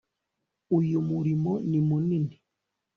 uyu murimo ni munini